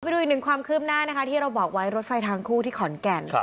ไปดูอีกหนึ่งความคืบหน้านะคะที่เราบอกไว้รถไฟทางคู่ที่ขอนแก่น